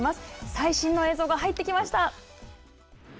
最新の映像が入ってきました。